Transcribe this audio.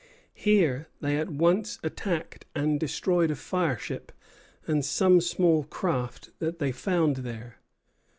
Here they at once attacked and destroyed a fireship and some small craft that they found there.